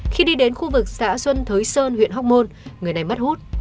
khi đi đến khu vực xã xuân thới sơn huyện hóc môn người này mất hút